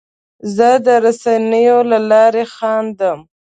زه د رسنیو له لارې خندم.